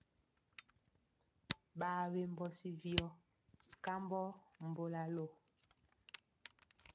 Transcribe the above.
Ɓaa wembɔ si viyɔ kambɔ mbolalo.